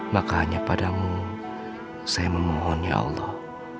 maka hanya padamu saya memohon ya allah